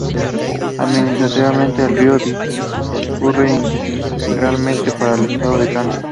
Administrativamente, el río discurre íntegramente por el estado de Kansas.